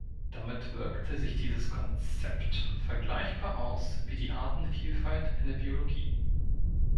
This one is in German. Damit wirkt sich dieses Konzept vergleichbar aus wie die Artenvielfalt in der Biologie.